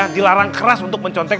dilarang keras untuk mencontek